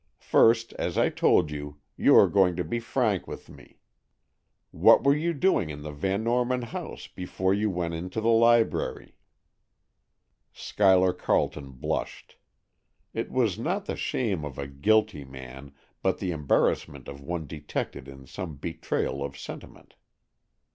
First, as I told you, you are going to be frank with me. What were you doing in the Van Norman house before you went into the library?" Schuyler Carleton blushed. It was not the shame of a guilty man, but the embarrassment of one detected in some betrayal of sentiment.